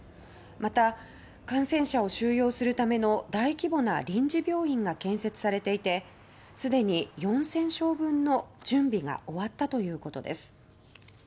また、感染者を収容するための大規模な臨時病院が建設されていてすでに４０００床分の準備が終わったということです。